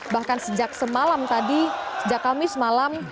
bahkan sejak semalam tadi sejak kamis malam